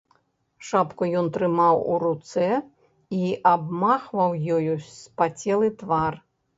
Шапку ён трымаў у руцэ і абмахваў ёю спацелы твар.